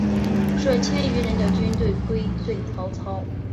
率千余人的军队归顺曹操。